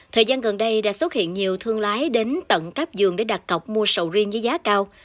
thời gian gần đây đã xuất hiện nhiều thương lái đến tận các giường để đặt cọc mua sầu riêng với giá cao